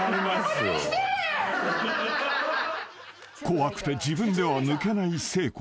［怖くて自分では抜けない誠子］